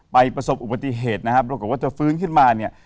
ประสบอุบัติเหตุนะครับปรากฏว่าเธอฟื้นขึ้นมาเนี่ย